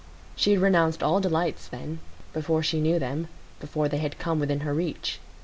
She had renounced all delights then, before she knew them, before they had come within her reach.